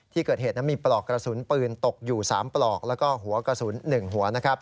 ที่เกิดเหตุนั้นมีปลอกกระสุนปืนตกอยู่๓ปลอกแล้วก็หัวกระสุน๑หัว